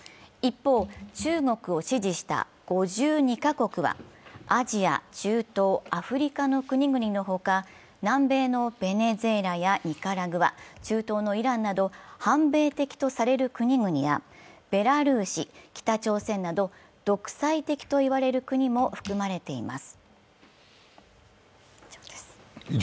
一方、中国を支持した５２カ国はアジア、中東、アフリカの国々の他南米のベネズエラ、ニカラグア、中東のイランなど反米的とされる国々やベラルーシ、北朝鮮など独裁的といわれる国も含まれています。